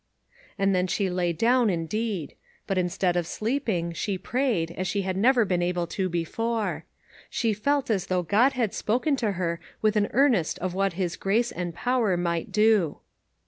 And then she lay down, indeed ; but in stead of sleeping, she prayed, as she had never been able to before. • She felt as though God had spoken to her with an ear nest of what his grace and power might do.